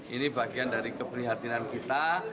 ini bagian dari keprihatinan kita